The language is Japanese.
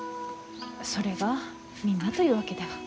それがみんなというわけでは。